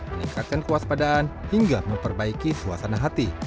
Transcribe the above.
meningkatkan kuas padaan hingga memperbaiki suasana hati